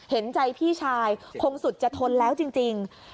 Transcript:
เห็นใจพี่ชายคงสุดจะทนแล้วจริง